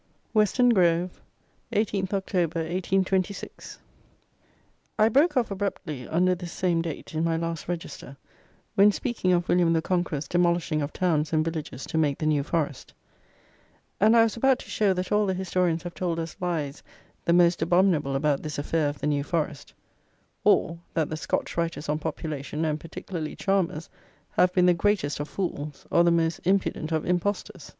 Western Grove, 18th Oct. 1826. I broke off abruptly, under this same date, in my last Register, when speaking of William the Conqueror's demolishing of towns and villages to make the New Forest; and I was about to show that all the historians have told us lies the most abominable about this affair of the New Forest; or, that the Scotch writers on population, and particularly Chalmers, have been the greatest of fools, or the most impudent of impostors.